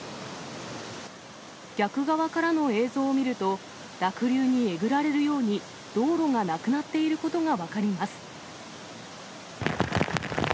逆側からの映像を見ると、濁流にえぐられるように、道路がなくなっていることが分かります。